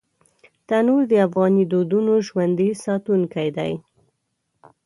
تنور د افغاني دودونو ژوندي ساتونکی دی